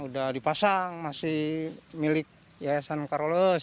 udah dipasang masih milik yayasan karolos